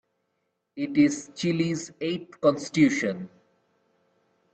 It is Chile's eighth constitution.